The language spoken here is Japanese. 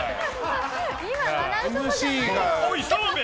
おい澤部！